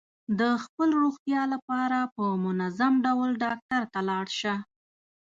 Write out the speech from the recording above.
د خپل روغتیا لپاره په منظم ډول ډاکټر ته لاړ شه.